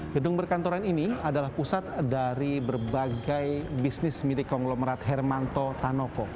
gedung berkantoran ini adalah pusat dari berbagai bisnis milik konglomerat hermanto tanoko